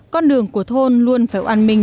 con đường của thôn luôn phải oan mình